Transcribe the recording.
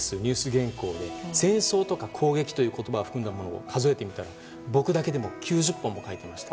原稿で戦争とか攻撃という言葉を含んだものを数えてみたら、僕だけでも９０本、書いていました。